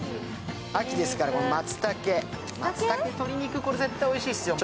秋ですからまつたけ、鶏肉、絶対これはおいしいですよ。